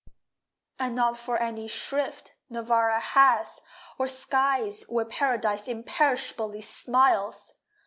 And not for any shrift Nirvana has, or skies Where Paradise imperishably smiles.